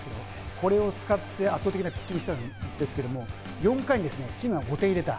これを使って、圧倒的なピッチングをしたんですけれども、４回にチームが５点入れた。